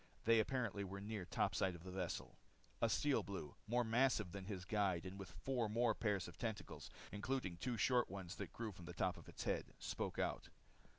They apparently were near topside of the vessel. A Steel Blue, more massive than his guide and with four more pair of tentacles, including two short ones that grew from the top of its head, spoke out.